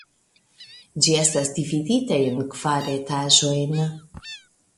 Ĝi estas dividita en kvar etaĝojn.